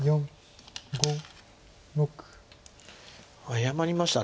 謝りました。